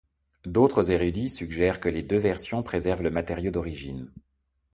D'autres érudits suggèrent que les deux versions préservent le matériau d'origine.